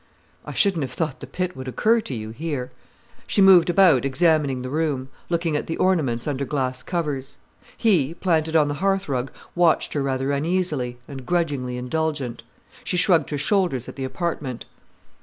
"I shouldn't have thought the pit would occur to you, here." She moved about examining the room, looking at the ornaments under glass covers. He, planted on the hearthrug, watched her rather uneasily, and grudgingly indulgent. She shrugged her shoulders at the apartment.